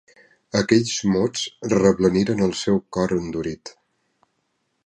Aquells mots reblaniren el seu cor endurit.